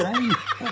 ハハハ！